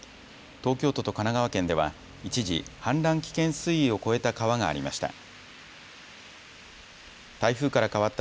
東京都と神奈川県では一時、氾濫危険水位を超えた川がありました。